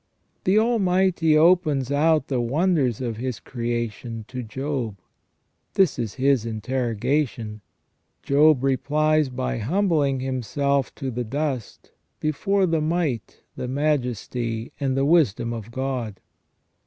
The Almighty opens out the wonders of His creation to Job. This is His interrogation. Job replies by humbling him self to the dust before the Might, the Majesty, and the Wisdom of God.